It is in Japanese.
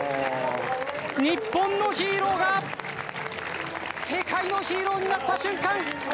日本のヒーローが世界のヒーローになった瞬間！